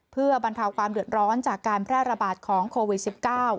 เพื่อบรรเทาความเดือดร้อนจากการแพร่ระบาดของโควิด๑๙